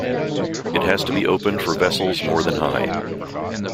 It has to be opened for vessels more than high.